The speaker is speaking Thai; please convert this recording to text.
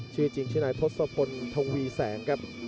ชื่อจริงชื่อนายทศพลทวีแสงครับ